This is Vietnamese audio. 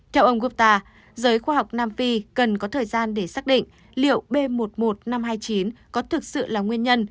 theo ông gutta giới khoa học nam phi cần có thời gian để xác định liệu b một mươi một năm trăm hai mươi chín có thực sự là nguyên nhân